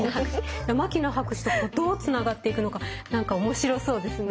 牧野博士とどうつながっていくのか何か面白そうですね。